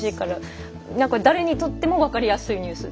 何か誰にとっても分かりやすいニュースですよね。